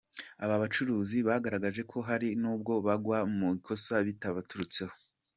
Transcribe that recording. Aba bacuruzi bagaragaje ko hari nubwo bagwa mu ikosa bitabaturutseho.